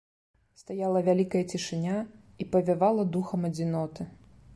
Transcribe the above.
Стаяла вялікая цішыня, і павявала духам адзіноты.